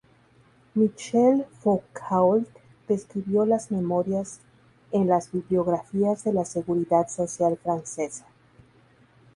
Michel Foucault descubrió las memorias en las bibliografías de la seguridad social francesa.